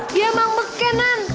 ya emang beken han